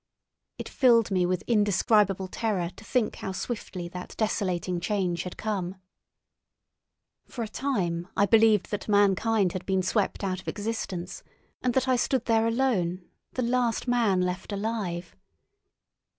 It filled me with indescribable terror to think how swiftly that desolating change had come. For a time I believed that mankind had been swept out of existence, and that I stood there alone, the last man left alive.